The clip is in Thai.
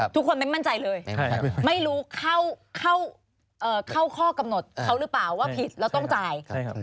ทุกคนไม่มั่นใจเลยไม่รู้เข้าข้อกำหนดเขาหรือเปล่าว่าผิดแล้วต้องจ่าย